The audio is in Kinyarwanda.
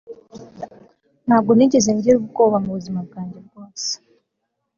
Ntabwo nigeze ngira ubwoba mubuzima bwanjye bwose